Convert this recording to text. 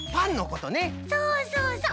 そうそうそう。